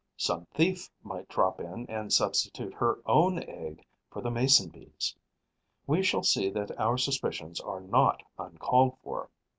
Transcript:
Some thief might drop in and substitute her own egg for the Mason bee's. We shall see that our suspicions are not uncalled for.